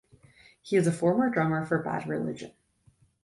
He is a former drummer for Bad Religion.